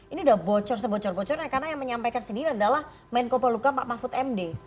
ini sudah bocor sebocor bocornya karena yang menyampaikan sendiri adalah menko poluka pak mahfud md